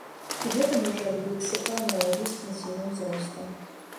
І гэта можа адбыцца па аналогіі з пенсійным узростам.